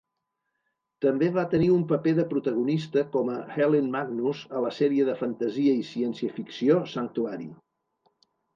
També va tenir un paper de protagonista com a Helen Magnus a la sèrie de fantasia i ciència-ficció 'Sanctuary'.